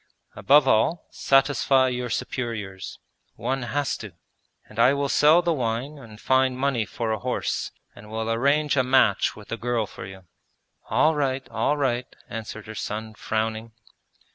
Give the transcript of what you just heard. Above all, satisfy your superiors: one has to! And I will sell the wine and find money for a horse and will arrange a match with the girl for you.' 'All right, all right!' answered her son, frowning.